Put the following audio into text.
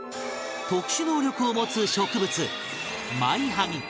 特殊能力を持つ植物マイハギ